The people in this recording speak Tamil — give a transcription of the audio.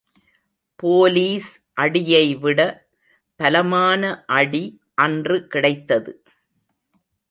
போலீஸ் அடியைவிடபலமான அடி அன்று கிடைத்தது.